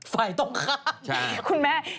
ฝ่ายตกข้าม